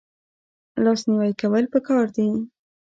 لاس نیوی کول پکار دي